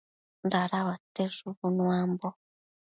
Dadauate shubu nuambo